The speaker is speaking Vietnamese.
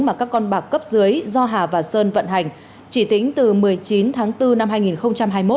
mà các con bạc cấp dưới do hà và sơn vận hành chỉ tính từ một mươi chín tháng bốn năm hai nghìn hai mươi một